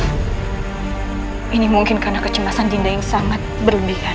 hai ini mungkin karena kecemasan dinda yang sangat berlebihan